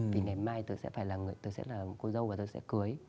vì ngày mai tớ sẽ là cô dâu và tớ sẽ cưới